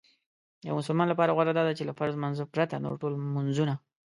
یو مسلمان لپاره غوره داده چې له فرض لمانځه پرته نور ټول لمنځونه